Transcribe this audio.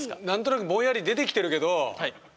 なんとなくぼんやり出てきてるけど。